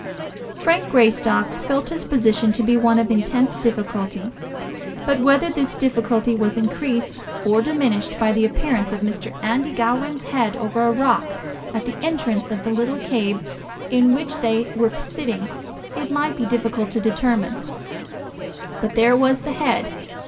Frank Greystock felt his position to be one of intense difficulty, but whether his difficulty was increased or diminished by the appearance of Mr. Andy Gowran's head over a rock at the entrance of the little cave in which they were sitting, it might be difficult to determine. But there was the head.